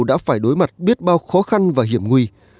đã phải đối mặt biết bao khó khăn và hiểm nguy